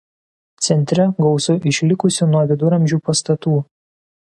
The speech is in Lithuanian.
Centre gausu išlikusių nuo viduramžių pastatų.